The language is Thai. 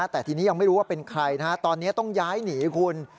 แต่ทีนี้ยังไม่รู้ว่าเป็นใครตอนนี้ต้องย้ายหนีคุณ